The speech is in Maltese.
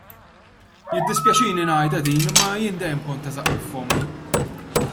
Jiddispjaċini ngħidha din, imma jien dejjem kont ta' żaqqi f'fommi.